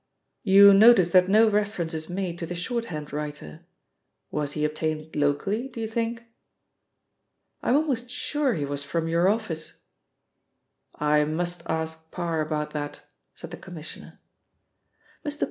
"You notice that no reference is made to the shorthand writer. Was he obtained locally, do you think?" "I'm almost sure he was from your office." "I must ask Parr about that," said the Commissioner. Mr.